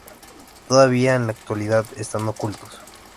Todavía en la actualidad están ocultos.